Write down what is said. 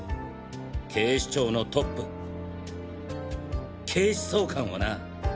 警視庁のトップ警視総監をな！！